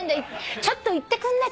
ちょっと行ってくんない？